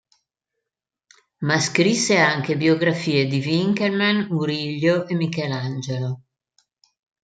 Ma scrisse anche biografie di Winckelmann, Murillo e Michelangelo.